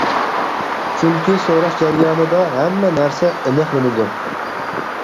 چۈنكى سوراش جەريانىدا ھەممە نەرسە ئېنىقلىنىدۇ.